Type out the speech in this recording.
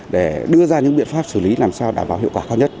để đưa ra những biện pháp xử lý làm sao đảm bảo hiệu quả cao nhất